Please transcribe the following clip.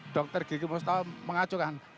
dr gigi mustawam mengacukan